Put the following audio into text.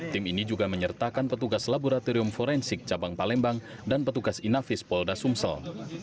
tim ini juga menyertakan petugas laboratorium forensik cabang palembang dan petugas inafis polda sumsel